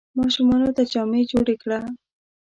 ماشومانو ته جامې جوړي کړه !